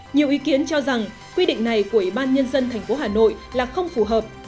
nhiều ý kiến cho rằng quy định này của ủy ban nhân dân tp hà nội là không phù hợp